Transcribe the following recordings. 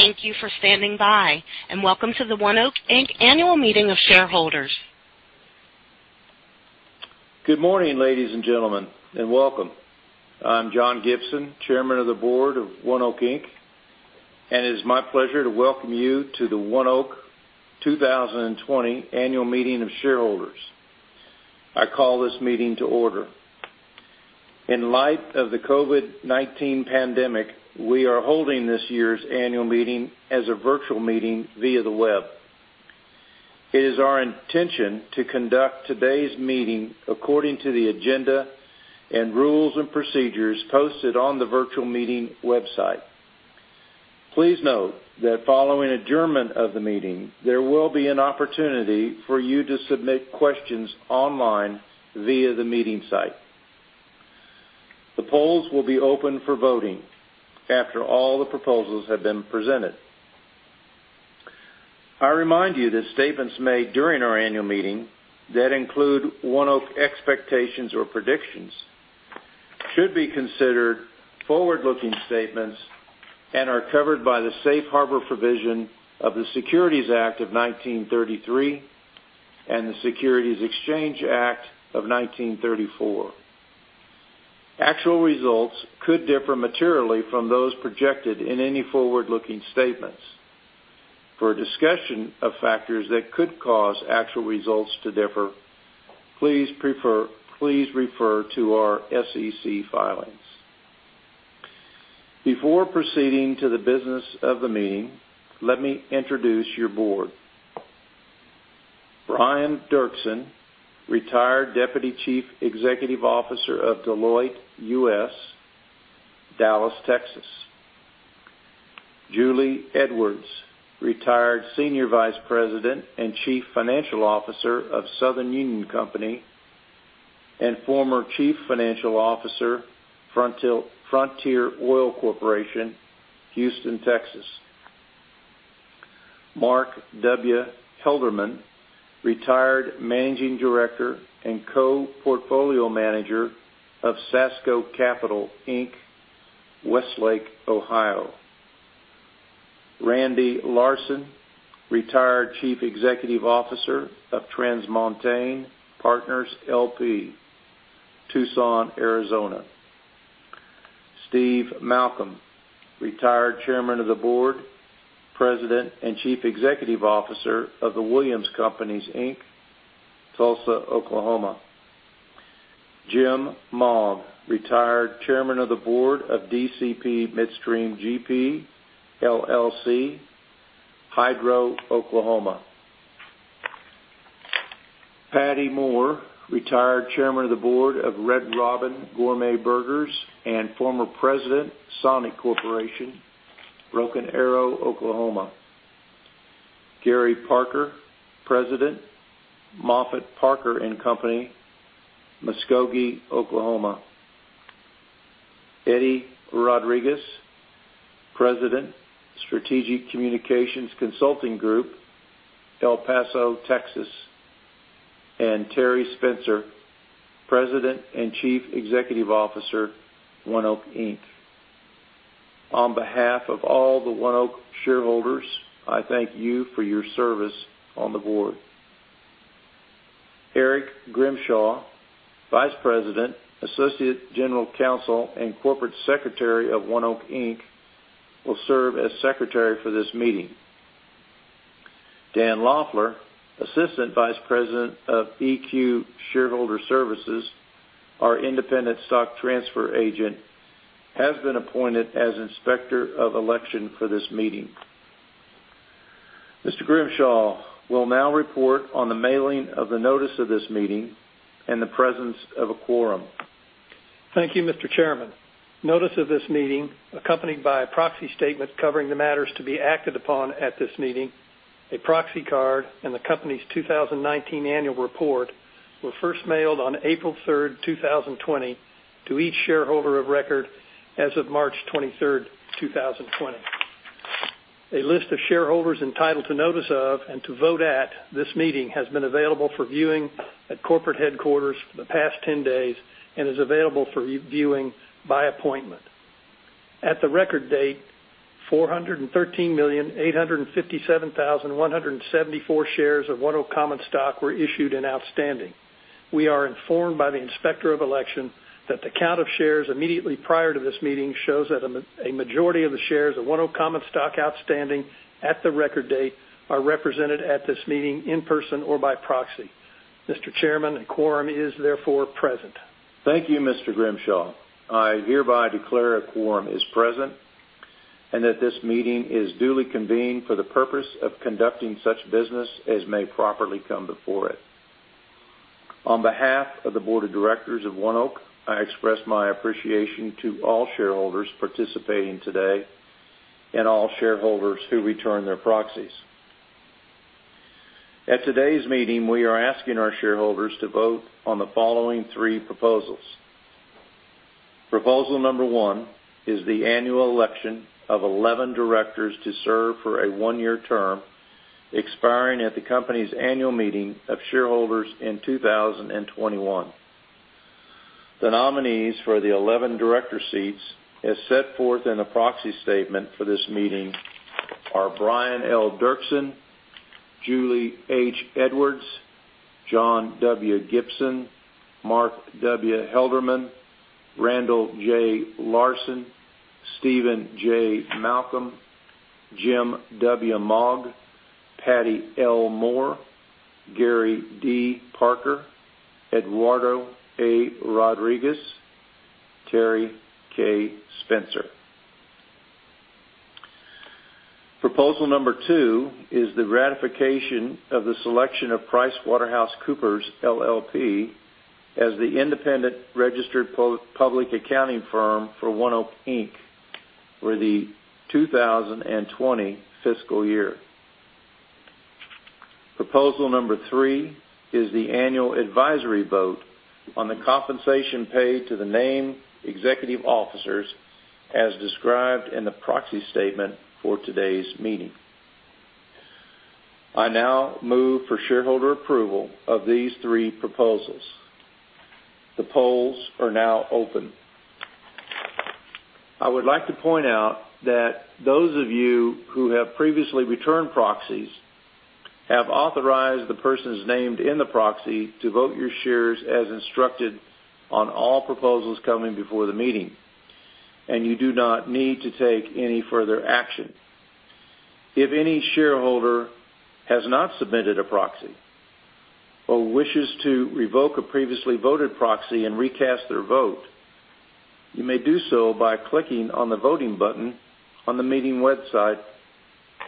Thank you for standing by, and welcome to the ONEOK, Inc. Annual Meeting of Shareholders. Good morning, ladies and gentlemen, and welcome. I'm John Gibson, Chairman of the Board of ONEOK, Inc., and it is my pleasure to welcome you to the ONEOK 2020 Annual Meeting of Shareholders. I call this meeting to order. In light of the COVID-19 pandemic, we are holding this year's annual meeting as a virtual meeting via the web. It is our intention to conduct today's meeting according to the agenda and rules and procedures posted on the virtual meeting website. Please note that following adjournment of the meeting, there will be an opportunity for you to submit questions online via the meeting site. The polls will be open for voting after all the proposals have been presented. I remind you that statements made during our annual meeting that include ONEOK expectations or predictions should be considered forward-looking statements and are covered by the safe harbor provision of the Securities Act of 1933 and the Securities Exchange Act of 1934. Actual results could differ materially from those projected in any forward-looking statements. For a discussion of factors that could cause actual results to differ, please refer to our SEC filings. Before proceeding to the business of the meeting, let me introduce your board. Brian Derksen, retired Deputy Chief Executive Officer of Deloitte US, Dallas, Texas. Julie Edwards, retired Senior Vice President and Chief Financial Officer of Southern Union Company, and former Chief Financial Officer, Frontier Oil Corporation, Houston, Texas. Mark W. Helderman, retired Managing Director and Co-Portfolio Manager of Sasco Capital, Inc., Westlake, Ohio. Randy Larson, retired Chief Executive Officer of TransMontaigne Partners LP, Tucson, Arizona. Steve Malcolm, retired Chairman of the Board, President, and Chief Executive Officer of The Williams Companies, Inc., Tulsa, Oklahoma. Jim Mogg, retired Chairman of the Board of DCP Midstream GP, LLC, Hydro, Oklahoma. Pattye Moore, retired Chairman of the Board of Red Robin Gourmet Burgers, Inc. and former President, Sonic Corporation, Broken Arrow, Oklahoma. Gary Parker, President, Moffitt, Parker and Company, Inc., Muskogee, Oklahoma. Eddie Rodriguez, President, Strategic Communications Consulting Group, El Paso, Texas, and Terry Spencer, President and Chief Executive Officer, ONEOK, Inc. On behalf of all the ONEOK shareholders, I thank you for your service on the board. Eric Grimshaw, Vice President, Associate General Counsel, and Corporate Secretary of ONEOK, Inc. will serve as Secretary for this meeting. Dan Loffler, Assistant Vice President of EQ Shareowner Services, our independent stock transfer agent, has been appointed as Inspector of Election for this meeting. Mr. Grimshaw will now report on the mailing of the notice of this meeting and the presence of a quorum. Thank you, Mr. Chairman. Notice of this meeting, accompanied by a proxy statement covering the matters to be acted upon at this meeting, a proxy card, and the company's 2019 annual report were first mailed on April 3rd, 2020, to each shareholder of record as of March 23rd, 2020. A list of shareholders entitled to notice of and to vote at this meeting has been available for viewing at corporate headquarters for the past 10 days and is available for viewing by appointment. At the record date, 413,857,174 shares of ONEOK common stock were issued and outstanding. We are informed by the Inspector of Election that the count of shares immediately prior to this meeting shows that a majority of the shares of ONEOK common stock outstanding at the record date are represented at this meeting in person or by proxy. Mr. Chairman, a quorum is therefore present. Thank you, Mr. Grimshaw. I hereby declare a quorum is present and that this meeting is duly convened for the purpose of conducting such business as may properly come before it. On behalf of the Board of Directors of ONEOK, I express my appreciation to all shareholders participating today and all shareholders who return their proxies. At today's meeting, we are asking our shareholders to vote on the following three proposals. Proposal number 1 is the annual election of 11 directors to serve for a one-year term expiring at the company's annual meeting of shareholders in 2021. The nominees for the 11 director seats, as set forth in the proxy statement for this meeting, are Brian L. Derksen, Julie H. Edwards, John W. Gibson, Mark W. Helderman, Randall J. Larson, Steven J. Malcolm, Jim W. Mogg, Pattye L. Moore, Gary D. Parker, Eduardo A. Rodriguez, Terry K. Spencer. Proposal number two is the ratification of the selection of PricewaterhouseCoopers LLP as the independent registered public accounting firm for ONEOK, Inc. for the 2020 fiscal year. Proposal number three is the annual advisory vote on the compensation paid to the named executive officers as described in the proxy statement for today's meeting. I now move for shareholder approval of these three proposals. The polls are now open. I would like to point out that those of you who have previously returned proxies have authorized the persons named in the proxy to vote your shares as instructed on all proposals coming before the meeting, and you do not need to take any further action. If any shareholder has not submitted a proxy or wishes to revoke a previously voted proxy and recast their vote, you may do so by clicking on the voting button on the meeting website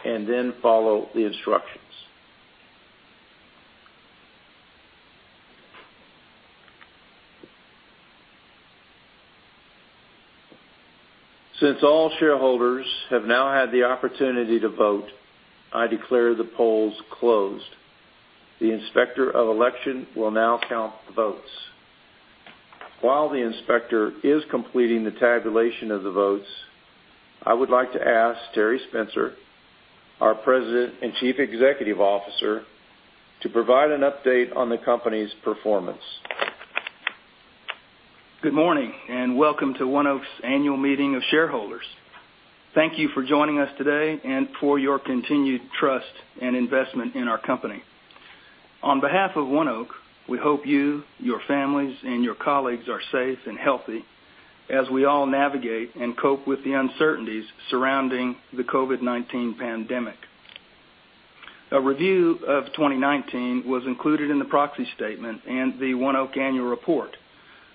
and then follow the instructions. Since all shareholders have now had the opportunity to vote, I declare the polls closed. The inspector of election will now count the votes. While the inspector is completing the tabulation of the votes, I would like to ask Terry Spencer, our President and Chief Executive Officer, to provide an update on the company's performance. Good morning, and welcome to ONEOK's Annual Meeting of Shareholders. Thank you for joining us today and for your continued trust and investment in our company. On behalf of ONEOK, we hope you, your families, and your colleagues are safe and healthy as we all navigate and cope with the uncertainties surrounding the COVID-19 pandemic. A review of 2019 was included in the proxy statement and the ONEOK annual report,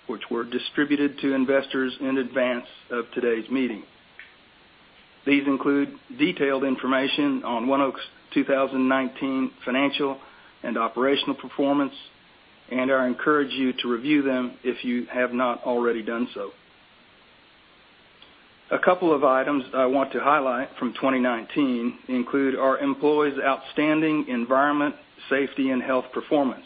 which were distributed to investors in advance of today's meeting. These include detailed information on ONEOK's 2019 financial and operational performance, and I encourage you to review them if you have not already done so. A couple of items I want to highlight from 2019 include our employees' outstanding environment, safety, and health performance,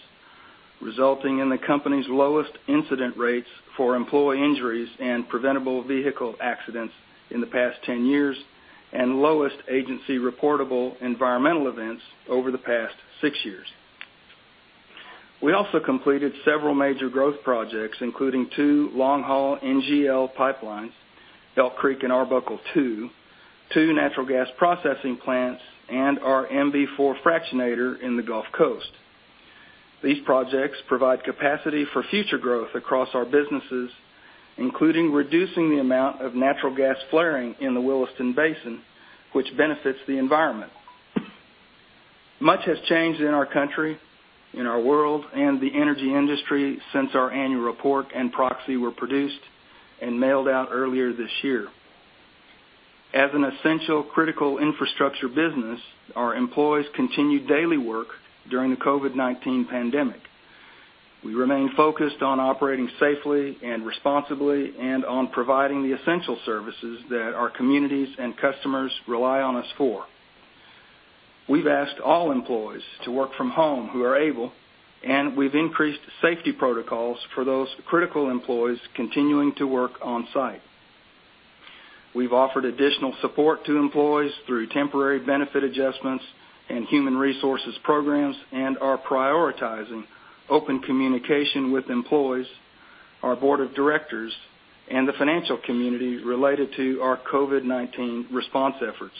resulting in the company's lowest incident rates for employee injuries and preventable vehicle accidents in the past 10 years and lowest agency reportable environmental events over the past six years. We also completed several major growth projects including two long-haul NGL pipelines, Elk Creek and Arbuckle II, two natural gas processing plants, and our MB-4 fractionator in the Gulf Coast. These projects provide capacity for future growth across our businesses, including reducing the amount of natural gas flaring in the Williston Basin, which benefits the environment. Much has changed in our country, in our world, and the energy industry since our annual report and proxy were produced and mailed out earlier this year. As an essential critical infrastructure business, our employees continue daily work during the COVID-19 pandemic. We remain focused on operating safely and responsibly and on providing the essential services that our communities and customers rely on us for. We've asked all employees to work from home who are able, and we've increased safety protocols for those critical employees continuing to work on-site. We've offered additional support to employees through temporary benefit adjustments and human resources programs and are prioritizing open communication with employees, our board of directors, and the financial community related to our COVID-19 response efforts.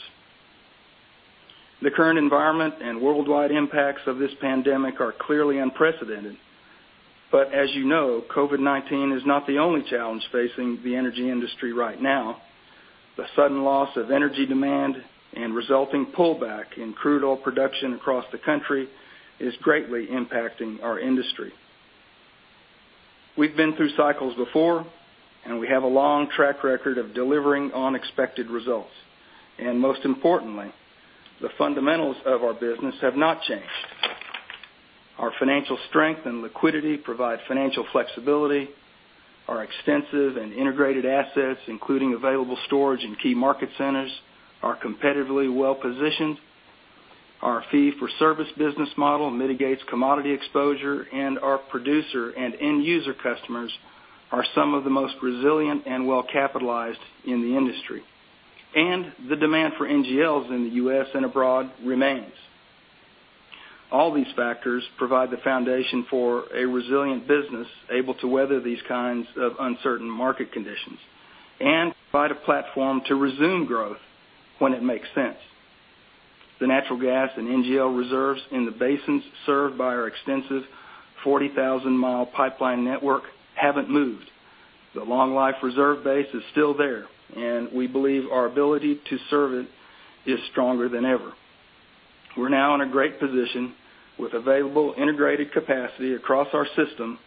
The current environment and worldwide impacts of this pandemic are clearly unprecedented. As you know, COVID-19 is not the only challenge facing the energy industry right now. The sudden loss of energy demand and resulting pullback in crude oil production across the country is greatly impacting our industry. We've been through cycles before, and we have a long track record of delivering on expected results. Most importantly, the fundamentals of our business have not changed. Our financial strength and liquidity provide financial flexibility. Our extensive and integrated assets, including available storage in key market centers, are competitively well-positioned. Our fee-for-service business model mitigates commodity exposure, and our producer and end-user customers are some of the most resilient and well-capitalized in the industry. The demand for NGLs in the U.S. and abroad remains. All these factors provide the foundation for a resilient business able to weather these kinds of uncertain market conditions and provide a platform to resume growth when it makes sense. The natural gas and NGL reserves in the basins served by our extensive 40,000-mile pipeline network haven't moved. The long-life reserve base is still there, and we believe our ability to serve it is stronger than ever. We're now in a great position with available integrated capacity across our system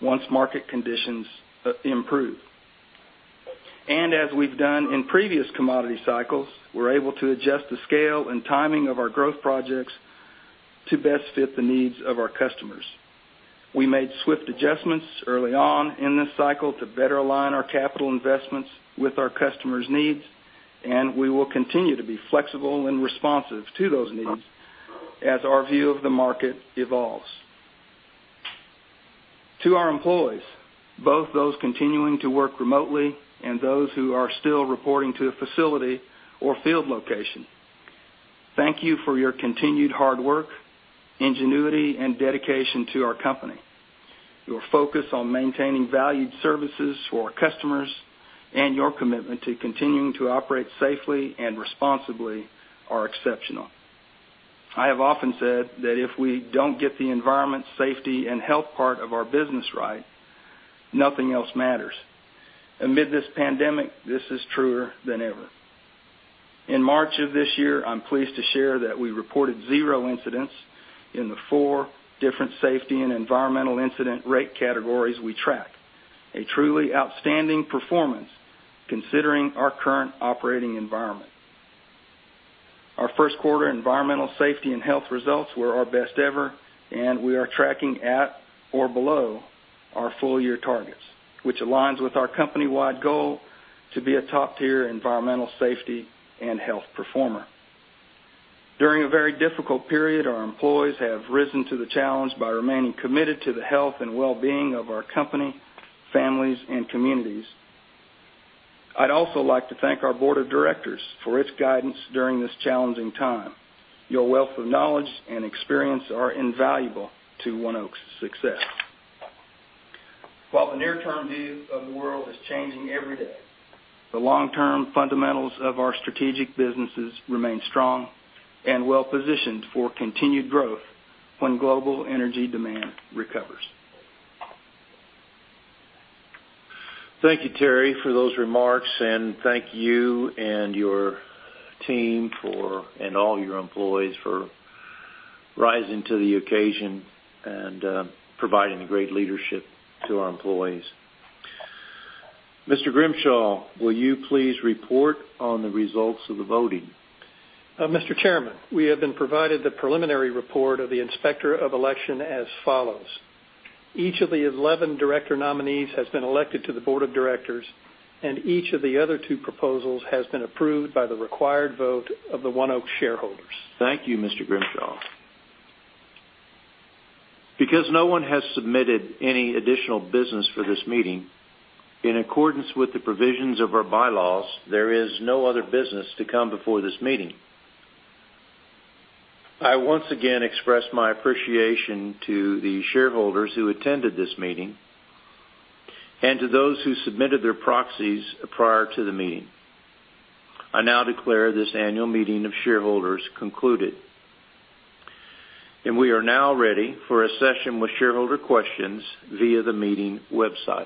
once market conditions improve. As we've done in previous commodity cycles, we're able to adjust the scale and timing of our growth projects to best fit the needs of our customers. We made swift adjustments early on in this cycle to better align our capital investments with our customers' needs, and we will continue to be flexible and responsive to those needs as our view of the market evolves. To our employees, both those continuing to work remotely and those who are still reporting to a facility or field location, thank you for your continued hard work, ingenuity, and dedication to our company. Your focus on maintaining valued services for our customers and your commitment to continuing to operate safely and responsibly are exceptional. I have often said that if we don't get the environment safety and health part of our business right, nothing else matters. Amid this pandemic, this is truer than ever. In March of this year, I'm pleased to share that we reported zero incidents in the four different safety and environmental incident rate categories we track. A truly outstanding performance considering our current operating environment. Our first quarter environmental safety and health results were our best ever, and we are tracking at or below our full-year targets, which aligns with our company-wide goal to be a top-tier environmental safety and health performer. During a very difficult period, our employees have risen to the challenge by remaining committed to the health and wellbeing of our company, families, and communities. I'd also like to thank our board of directors for its guidance during this challenging time. Your wealth of knowledge and experience are invaluable to ONEOK's success. While the near-term view of the world is changing every day, the long-term fundamentals of our strategic businesses remain strong and well-positioned for continued growth when global energy demand recovers. Thank you, Terry, for those remarks, and thank you and your team and all your employees for rising to the occasion and providing great leadership to our employees. Mr. Grimshaw, will you please report on the results of the voting? Mr. Chairman, we have been provided the preliminary report of the Inspector of Election as follows. Each of the 11 director nominees has been elected to the board of directors. Each of the other two proposals has been approved by the required vote of the ONEOK shareholders. Thank you, Mr. Grimshaw. Because no one has submitted any additional business for this meeting, in accordance with the provisions of our bylaws, there is no other business to come before this meeting. I once again express my appreciation to the shareholders who attended this meeting and to those who submitted their proxies prior to the meeting. I now declare this annual meeting of shareholders concluded, and we are now ready for a session with shareholder questions via the meeting website.